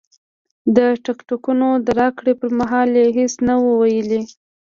د ټکټونو د راکړې پر مهال یې هېڅ نه وو ویلي.